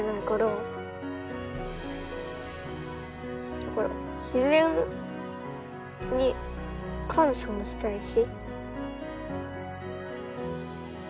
だから自然に感謝もしたいし。